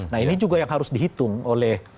nah ini juga yang harus dihitung oleh